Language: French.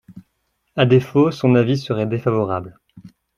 À défaut, son avis serait défavorable.